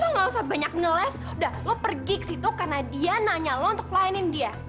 lu gak usah banyak ngeles udah lo pergi ke situ karena dia nanya lo untuk melainin dia